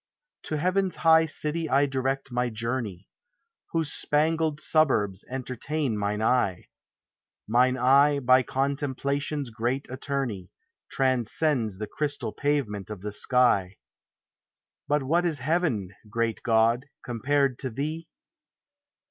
To heaven's high city I direct my journey. Whose spangled suburbs entertain mine eye; Mine eye, by contemplation's great attorney. Transcends the crystal pavement of the sky : But what is heaven, great God, compared to thee?